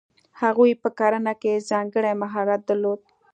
هغوی په کرنه کې ځانګړی مهارت درلود.